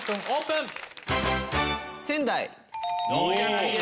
オープン！